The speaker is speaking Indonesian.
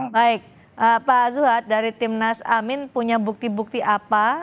baik pak zuhad dari timnas amin punya bukti bukti apa